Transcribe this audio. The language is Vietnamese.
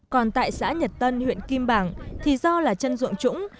còn tại xã nhật tân huyện kim bảng thì do là chân ruộng trũng